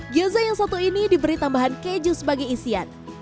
gyoza yang satu ini diberi tambahan keju sebagai isian